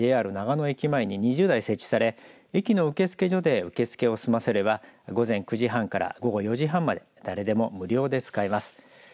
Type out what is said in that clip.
ＪＲ長野駅前に２０台設置され駅の受付所で受け付けを済ませれば午前９時半から午後４時半まで誰でも無料で使えます。